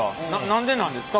何でなんですか？